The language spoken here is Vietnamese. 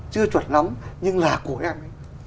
chưa chuẩn lắm nhưng là của em